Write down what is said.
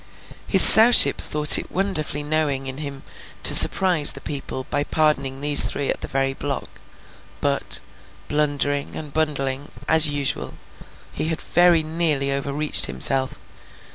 His Sowship thought it wonderfully knowing in him to surprise the people by pardoning these three at the very block; but, blundering, and bungling, as usual, he had very nearly overreached himself.